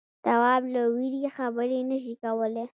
تواب له وېرې خبرې نه شوې کولای.